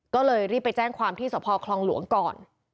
ก็เลยรีบไปแจ้งความที่สภคลองหลวงก่อน